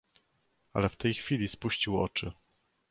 "Ale w tej chwili spuścił oczy."